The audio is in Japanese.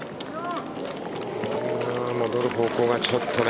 戻る方向がちょっとね。